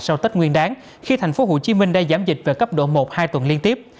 sau tết nguyên đáng khi tp hcm đã giảm dịch về cấp độ một hai tuần liên tiếp